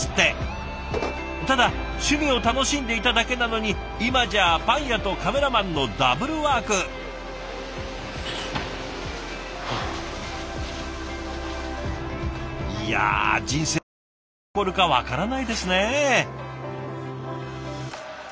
ただ趣味を楽しんでいただけなのに今じゃパン屋とカメラマンのダブルワーク。いや人生何が起こるか分からないですね！